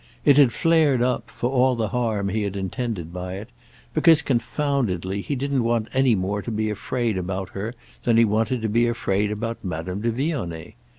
It had flared up—for all the harm he had intended by it—because, confoundedly, he didn't want any more to be afraid about her than he wanted to be afraid about Madame de Vionnet.